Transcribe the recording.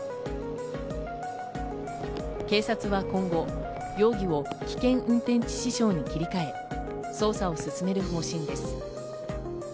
警察は今後、容疑を危険運転致死傷に切り替え、捜査を進める方針です。